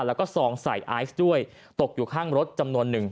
แล้วก็ซองใส่ไอซ์ด้วยตกอยู่ข้างรถจำนวนหนึ่ง